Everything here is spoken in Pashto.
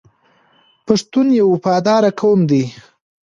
پښتون یو وفادار قوم دی.